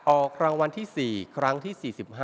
ออกรางวัลที่๔ครั้งที่๔๕